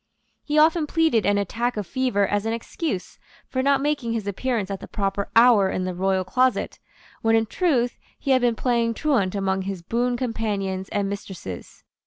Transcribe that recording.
He often pleaded an attack of fever as an excuse for not making his appearance at the proper hour in the royal closet, when in truth he had been playing truant among his boon companions and mistresses.